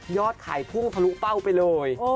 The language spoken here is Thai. ยอดขายผู้เขารุเป้าไปเลย